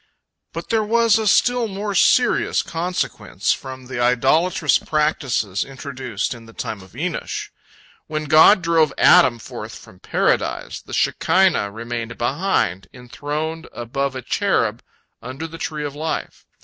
But there was a still more serious consequence from the idolatrous practices introduced in the time of Enosh. When God drove Adam forth from Paradise, the Shekinah remained behind, enthroned above a cherub under the tree of life.